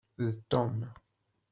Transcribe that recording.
D Tom.